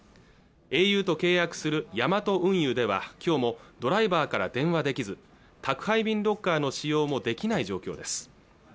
ａｕと契約するヤマト運輸では今日もドライバーから電話できず宅配便ロッカーの使用もできない状況です